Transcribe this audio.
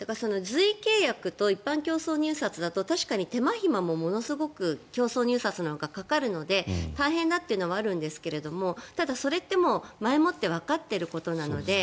随意契約と一般競争契約だと確かに手間ひまも、ものすごく競争入札のほうがかかるので大変だというのはあるんですがただ、それって前もってわかっていることなので。